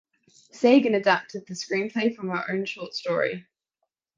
Sagan adapted the screenplay from her own short story.